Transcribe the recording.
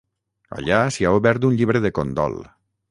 Allà s'hi ha obert un llibre de condol.